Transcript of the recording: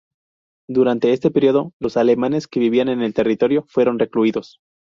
Durante este período, los alemanes que vivían en el territorio fueron recluidos.